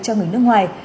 cho người nước ngoài